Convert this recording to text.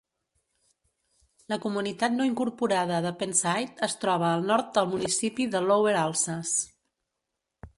La comunitat no incorporada de Pennside es troba al nord al municipi de Lower Alsace.